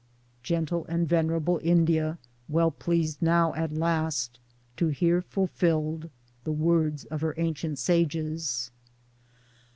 [Gentle and venerable India well pleased now at last to hear fulfilled the words of her ancient sages.